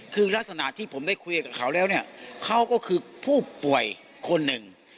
คือลักษณะที่ผมได้คุยกับเขาแล้วเนี่ยเขาก็คือผู้ป่วยคนหนึ่ง